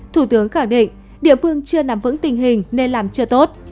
thủ tướng khẳng định địa phương chưa nắm vững tình hình nên làm chưa tốt